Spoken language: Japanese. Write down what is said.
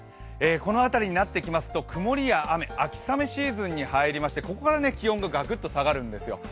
この辺りになってきますと曇りや雨、秋雨シーズンに入りましてここから気温がガクンと下がるんですよ。